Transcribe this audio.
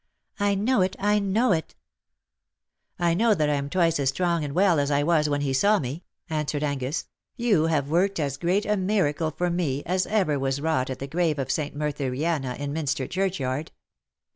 " I know it, I know it V^ '' I know that I am twice as strong and well as I was when he saw me," answered Angus ;'' you 140 "the silver answer RANG; have worked as great a miracle for me as ever was wrought at the grave of St. Mertheriana in Minster Churchyard.